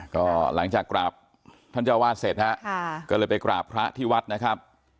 ก็หลังจากกราบท่านเจ้าวาดเสร็จฮะก็เลยไปกราบพระที่วัดนะครับ